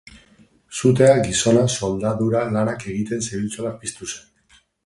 Sutea, gizona soldadura lanak egiten zebiltzala piztu zen.